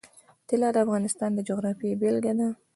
طلا د افغانستان د جغرافیې بېلګه ده.